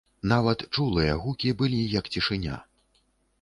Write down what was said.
Нават чулыя гукі былі як цішыня.